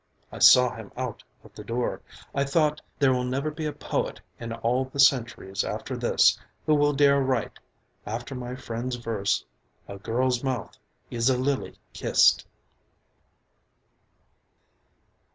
I saw him out of the door, I thought: there will never be a poet, in all the centuries after this, who will dare write, after my friend's verse, "a girl's mouth is a lily kissed."